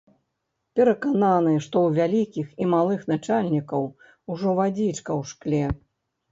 Перакананы, што ў вялікіх і малых начальнікаў ужо вадзічка ў шкле.